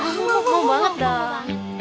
mau banget dong